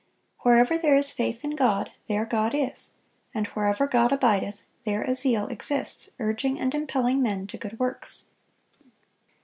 "Wherever there is faith in God, there God is; and wherever God abideth, there a zeal exists urging and impelling men to good works."